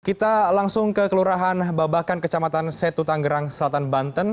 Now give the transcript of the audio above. kita langsung ke kelurahan babakan kecamatan setu tanggerang selatan banten